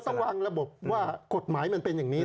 ต้องวางระบบว่ากฎหมายมันเป็นอย่างนี้